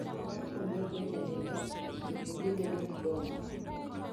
bang' puonjruok weche nindruok, jopuonjre bedo gi gombo